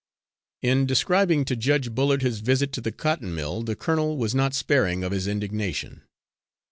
In describing to Judge Bullard his visit to the cotton mill, the colonel was not sparing of his indignation.